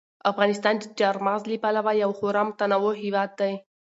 افغانستان د چار مغز له پلوه یو خورا متنوع هېواد دی.